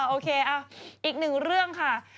อ๋อโอเคอ่ะอีกหนึ่งเรื่องค่ะ